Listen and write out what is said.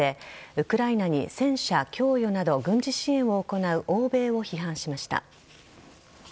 ウクライナに戦車供与など軍事支援を行う欧米を批判しました。